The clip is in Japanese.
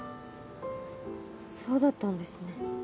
そうだったんですね。